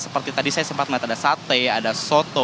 seperti tadi saya sempat melihat ada sate ada soto